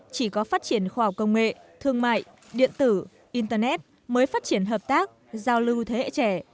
chỉ có phát triển khoa học công nghệ thương mại điện tử internet mới phát triển hợp tác giao lưu thế hệ trẻ